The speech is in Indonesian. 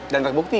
dan ke bukti ya